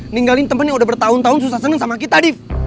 ninggalin temen yang udah bertahun tahun susah seneng sama kita nih